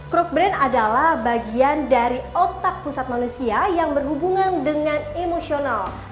crowt brand adalah bagian dari otak pusat manusia yang berhubungan dengan emosional